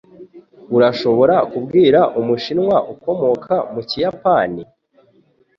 Urashobora kubwira Umushinwa ukomoka mu Kiyapani?